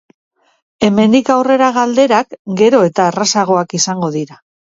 Hemendik aurrera galderak gero eta errazagoak izango dira.